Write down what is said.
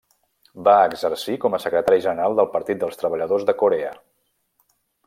Va exercir com a secretari general del Partit dels Treballadors de Corea.